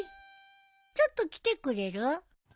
ちょっと来てくれる。